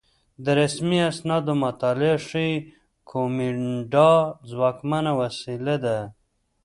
د رسمي اسنادو مطالعه ښيي کومېنډا ځواکمنه وسیله وه